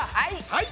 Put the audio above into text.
はい。